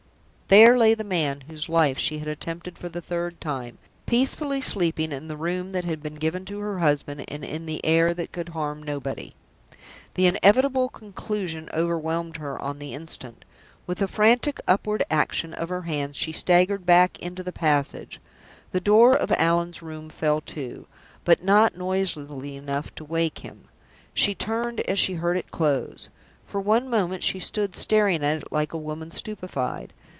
There lay the man whose life she had attempted for the third time, peacefully sleeping in the room that had been given to her husband, and in the air that could harm nobody! The inevitable conclusion overwhelmed her on the instant. With a frantic upward action of her hands she staggered back into the passage. The door of Allan's room fell to, but not noisily enough to wake him. She turned as she heard it close. For one moment she stood staring at it like a woman stupefied.